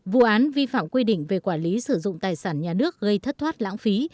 vụ án vi phạm quy định về quản lý sử dụng tài sản nhà nước gây thất thoát lãng phí